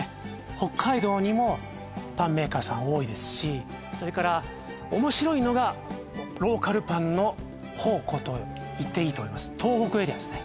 北海道にもパンメーカーさん多いですしそれから面白いのがローカルパンの宝庫と言っていいと思います東北エリアですね